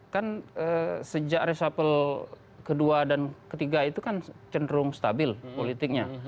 kan sejak resapel ke dua dan ke tiga itu kan cenderung stabil politiknya